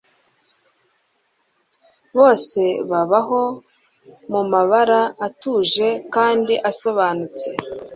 Bose babaho mumabara atuje kandi asobanutse